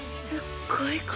すっごい